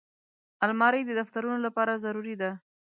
الماري د دفترونو لپاره ضروري ده